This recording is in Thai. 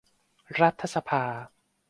รัฐสภา